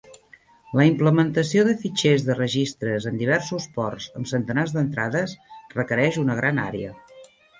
La implementació de fitxers de registres en diversos ports amb centenars d'entrades requereix una gran àrea.